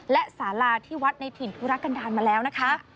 และสาราที่วัดในถิ่นธุรกันดาลมาแล้วนะคะ